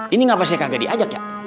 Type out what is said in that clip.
ini gak pasti kagak diajak ya